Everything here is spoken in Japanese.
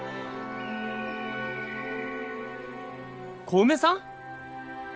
小梅さん？